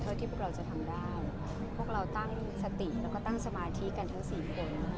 ที่พวกเราจะทำได้พวกเราตั้งสติแล้วก็ตั้งสมาธิกันทั้งสี่คน